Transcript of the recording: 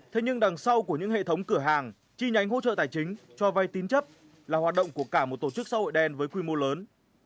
thế nhưng đằng sau của những hệ thống cửa hàng chi nhánh hỗ trợ tài chính cho vay tín chấp là hoạt động của cả một tổ chức xã hội đen với quy mô lớn